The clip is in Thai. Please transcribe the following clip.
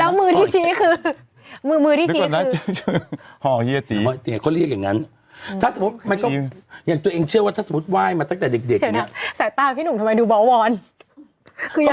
แล้วมือที่ชี้คือมือมือที่ชี้คือ